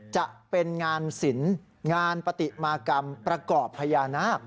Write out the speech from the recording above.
จะเป็นงานศิลป์งานปฏิมากรรมประกอบพญานาค